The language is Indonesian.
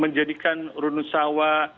menjadikan runus sawah